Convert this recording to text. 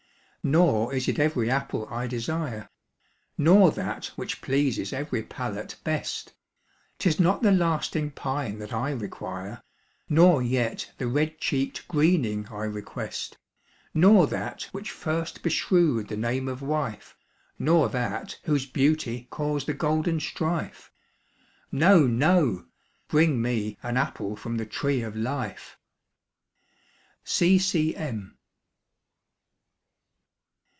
Nor is it every apple I desire; Nor that which pleases every palate best; 'Tis not the lasting pine that I require, Nor yet the red cheeked greening I request, Nor that which first beshrewed the name of wife, Nor that whose beauty caused the golden strife. No, no! bring me an apple from the tree of life. C. C. M.